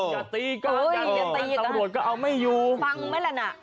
อย่าตีก็อย่าตีก็เอาไม่อยู่ฟังไหมละน่ะ